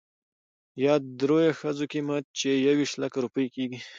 يا د درېو ښځو قيمت، چې يويشت لکه روپۍ کېږي .